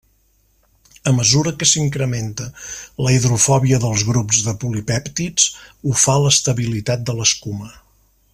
A mesura que s'incrementa la hidrofòbia dels grups de polipèptids ho fa l'estabilitat de l'escuma.